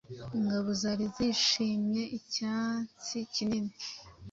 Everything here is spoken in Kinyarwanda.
Ingabo zari zishimye icyatsi kinini